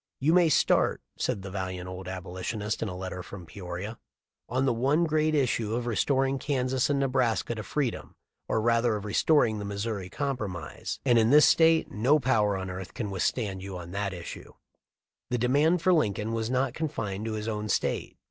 "You may start," said the valiant old Abolitionist in a letter from Peoria,* "on the one great issue of restoring Kansas and Nebraska to freedom, or rather of restoring the Missouri Compromise, and in this State no power on earth can withstand you on that issue." The demand for Lincoln was not confined to his own State.